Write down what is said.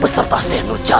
dan langkah selanjutnya